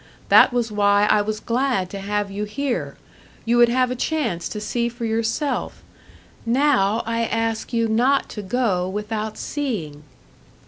That was why I was glad to have you here you would have a chance to see for yourself. Now I ask you not to go without seeing."